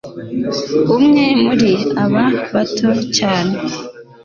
Umwe muri aba bato cyane